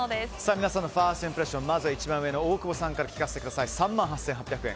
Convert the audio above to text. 皆さんのファーストインプレッション一番上の大久保さんから３万８８００円。